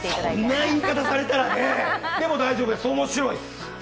そんな言い方されたらねえ、でも大丈夫です、面白いです！